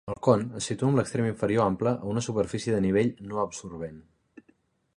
El con es situa amb l'extrem inferior ample a una superfície de nivell no absorbent.